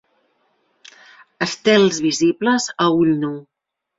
Estels visibles a ull nu.